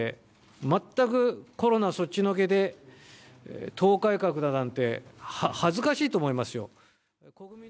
全くコロナそっちのけで、党改革だなんて、恥ずかしいと思いますよ。